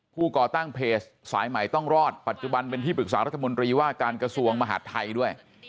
ก่อตั้งเพจสายใหม่ต้องรอดปัจจุบันเป็นที่ปรึกษารัฐมนตรีว่าการกระทรวงมหาดไทยด้วย